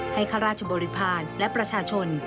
ข้าราชบริพาณและประชาชน